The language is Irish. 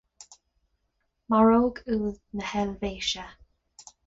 maróg úll na hEilvéise